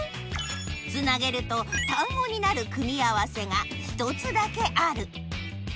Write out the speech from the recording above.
つなげると単語になる組み合わせが１つだけある。